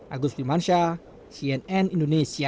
agus limansyah cnn indonesia